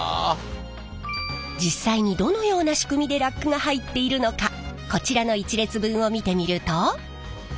実際にどのような仕組みでラックが入っているのかこちらの１列分を見てみると。